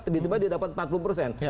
tiba tiba dia dapat empat puluh persen